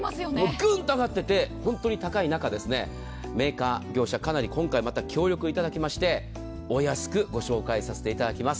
グンと上がっていて本当に高い中メーカー、業者、今回かなりご協力いただきましてお安くご紹介させていただきます。